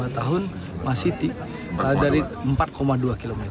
lima tahun masih dari empat dua km